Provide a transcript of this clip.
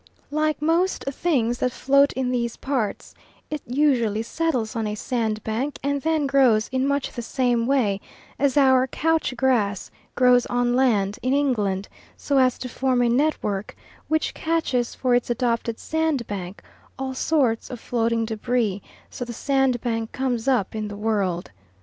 Like most things that float in these parts, it usually settles on a sandbank, and then grows in much the same way as our couch grass grows on land in England, so as to form a network, which catches for its adopted sandbank all sorts of floating debris; so the sandbank comes up in the world.